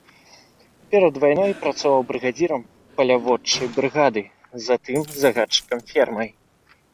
Перад вайной працаваў брыгадзірам паляводчай брыгады, затым загадчыкам фермай.